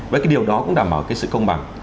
và cái điều đó cũng đảm bảo cái sự công bằng